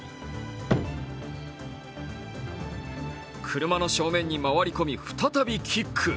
車の正面に回り込み再びキック。